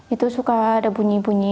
itu suka ada bunyi bunyi